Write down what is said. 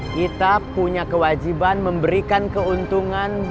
kita punya kewajiban memberikan keuntungan